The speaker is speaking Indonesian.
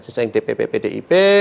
selesai dpp pdip